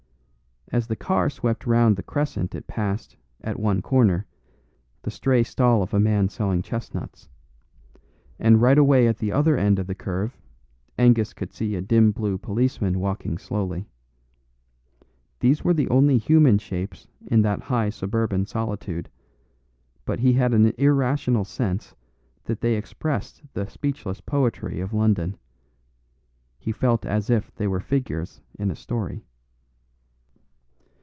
As the car swept round the crescent it passed, at one corner, the stray stall of a man selling chestnuts; and right away at the other end of the curve, Angus could see a dim blue policeman walking slowly. These were the only human shapes in that high suburban solitude; but he had an irrational sense that they expressed the speechless poetry of London. He felt as if they were figures in a story.